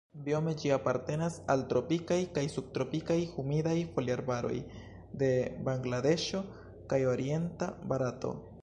Biome ĝi apartenas al tropikaj kaj subtropikaj humidaj foliarbaroj de Bangladeŝo kaj orienta Barato.